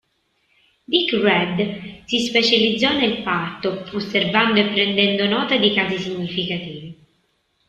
Dick-Read si specializzò nel parto, osservando e prendendo nota di casi significativi.